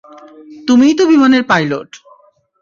তুমিই তো বিমানের পাইলট!